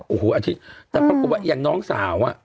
โอ้โหอาทิตย์แต่ปรากฏว่าอย่างน้องสาวอ่ะ